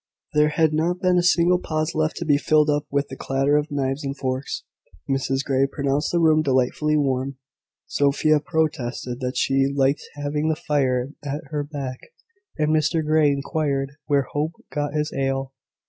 There had not been a single pause left to be filled up with the clatter of knives and forks. Mrs Grey pronounced the room delightfully warm; Sophia protested that she liked having the fire at her back; and Mr Grey inquired where Hope got his ale.